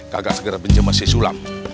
kagak segera menjema si sulam